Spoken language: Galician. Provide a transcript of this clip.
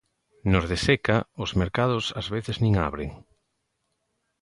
Nos de seca, os mercados ás veces nin abren.